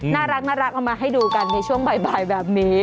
น่ารักเอามาให้ดูกันในช่วงบ่ายแบบนี้